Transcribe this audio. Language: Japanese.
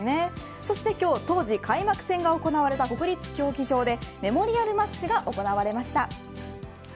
そして今日、当時開幕戦が行われた国立競技場でメモリアルマッチが行われました。